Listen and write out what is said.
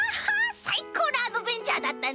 さいこうなアドベンチャーだったね！